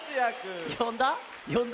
よんだ？